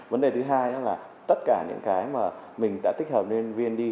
vấn đề thứ hai là tất cả những cái mà mình đã tích hợp lên vnd